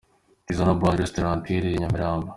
Tizama Bar& Restaurant iherereye i Nyamirambo.